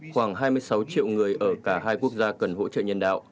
khoảng hai mươi sáu triệu người ở cả hai quốc gia cần hỗ trợ nhân đạo